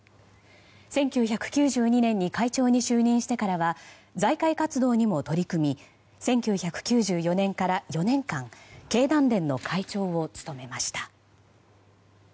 １９９２年に会長に就任してからは財界活動にも取り組み１９９４年から４年間経団連の会長を務めました。